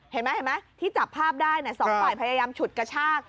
เห็นไหมที่จับภาพได้๒ฝ่ายพยายามฉุดกระชาก